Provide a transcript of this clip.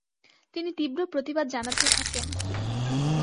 তিনি তীব্র প্রতিবাদ জনাতে থাকেন।